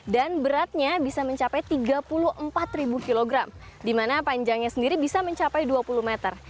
dan beratnya bisa mencapai tiga puluh empat kilogram di mana panjangnya sendiri bisa mencapai dua puluh meter